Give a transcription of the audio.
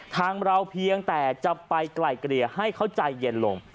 ทางเราเพียงแต่จะไปไกลเกลี่ยให้เขาใจเย็นลง